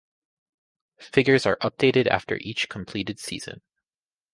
Figures are updated after each completed season.